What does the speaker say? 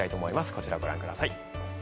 こちらをご覧ください。